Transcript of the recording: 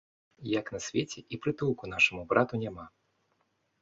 Як на свеце і прытулку нашаму брату няма!